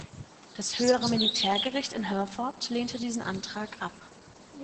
Das Höhere Militärgericht in Herford lehnte diesen Antrag ab.